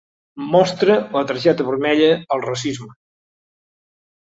Mostra la targeta vermella al racisme.